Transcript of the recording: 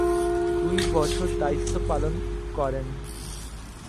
দুই বছর দায়িত্ব পালন করেন।